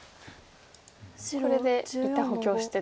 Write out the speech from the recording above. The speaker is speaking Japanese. これで一旦補強してと。